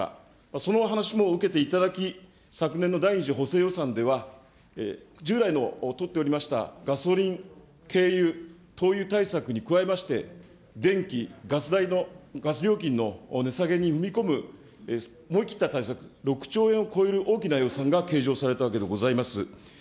その話も受けていただき、昨年の第２次補正予算では、従来の取っておりましたガソリン、軽油、灯油対策に加えまして、電気、ガス代の、ガス料金の値下げに踏み込む、思い切った対策、６兆円を超える大きな予算が計上されたわけでございます。